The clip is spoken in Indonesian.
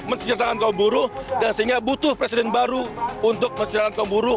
mensejahterakan kaum buruh dan sehingga butuh presiden baru untuk menceritakan kaum buruh